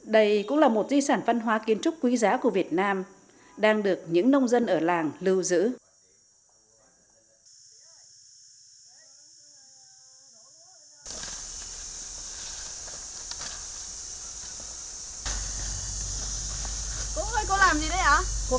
đây cũng là một di sản văn hóa kiến trúc quý giá của việt nam đang được những nông dân ở làng lưu giữ